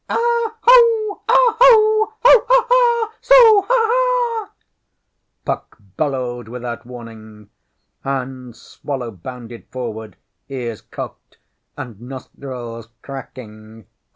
ŌĆÖ ŌĆśAh! How! Ah! How! How ah! Sa how ah! ŌĆÖ Puck bellowed without warning, and Swallow bounded forward, ears cocked, and nostrils cracking.